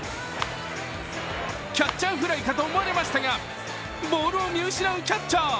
キャッチャーフライかと思われましたがボールを見失うキャッチャー。